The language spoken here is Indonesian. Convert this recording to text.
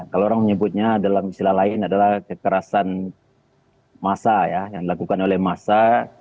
kalau orang menyebutnya dalam istilah lain adalah kekerasan massa ya yang dilakukan oleh massa